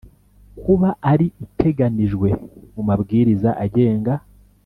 kuba ari iteganijwe mu mabwiriza agenga